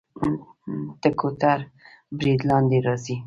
نکو تر برید لاندې راځي.